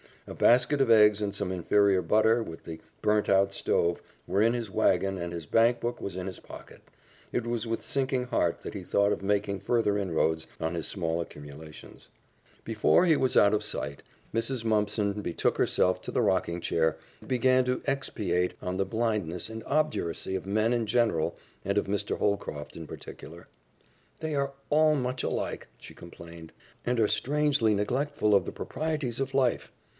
A basket of eggs and some inferior butter, with the burnt out stove, were in his wagon and his bank book was in his pocket. It was with sinking heart that he thought of making further inroads on his small accumulations. Before he was out of sight Mrs. Mumpson betook herself to the rocking chair and began to expatiate on the blindness and obduracy of men in general and of Mr. Holcroft in particular. "They are all much alike," she complained, "and are strangely neglectful of the proprieties of life.